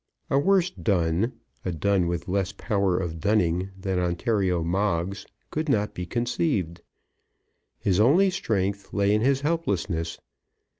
A worse dun, a dun with less power of dunning, than Ontario Moggs could not be conceived. His only strength lay in his helplessness.